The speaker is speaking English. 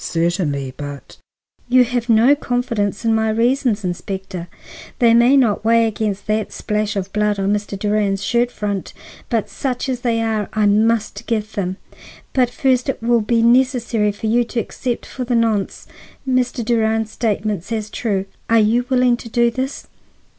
"Certainly, but—" "You have no confidence in my reasons, Inspector; they may not weigh against that splash of blood on Mr. Durand's shirt front, but such as they are I must give them. But first, it will be necessary for you to accept for the nonce Mr. Durand's statements as true. Are you willing to do this?"